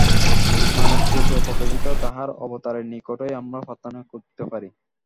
মানবরূপে প্রকাশিত তাঁহার অবতারের নিকটই আমরা প্রার্থনা করিতে পারি।